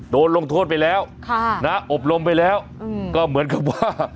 ลงโทษไปแล้วอบรมไปแล้วก็เหมือนกับว่า